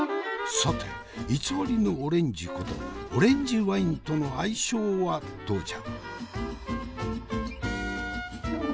さて偽りのオレンジことオレンジワインとの相性はどうじゃ？